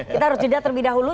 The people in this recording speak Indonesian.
kita harus jeda terlebih dahulu